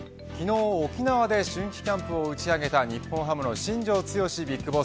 昨日、沖縄で春季キャンプをうち上げた日本ハムの新庄剛志